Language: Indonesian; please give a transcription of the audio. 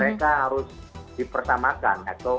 mereka harus dipersamakan atau